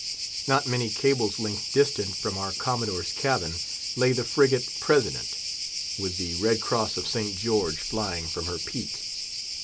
Not many cables' length distant from our Commodore's cabin lay the frigate President, with the red cross of St. George flying from her peak.